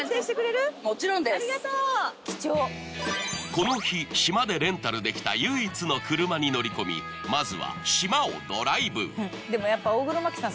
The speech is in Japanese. この日島でレンタルできた唯一の車に乗り込みまずはでもやっぱ大黒摩季さん